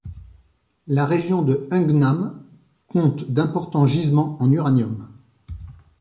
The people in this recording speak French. La région de Hungnam compte d'importants gisements en uranium.